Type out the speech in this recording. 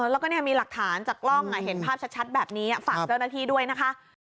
แล้วก็มีหลักฐานจากกล้องเห็นภาพชัดแบบนี้ฝากเจ้าหน้าที่ด้วยนะคะ